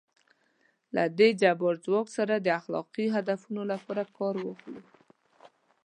له دې جبار ځواک څخه د اخلاقي هدفونو لپاره کار واخلو.